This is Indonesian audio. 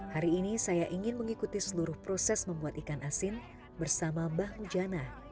hari ini saya ingin mengikuti seluruh proses membuat ikan asin bersama mbah mujana